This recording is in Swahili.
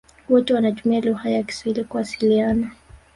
Wote tunatumia lugha ya kiswahili kuwasiliana